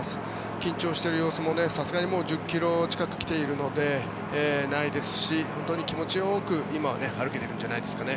緊張している様子ももうさすがに１０ｋｍ近く来ているのでないですし、気持ちよく今は歩けているんじゃないんですかね。